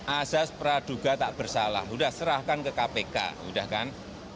asas praduga tak bersalah sudah serahkan ke kpk sudah kan